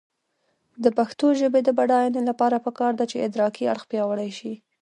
د پښتو ژبې د بډاینې لپاره پکار ده چې ادراکي اړخ پیاوړی شي.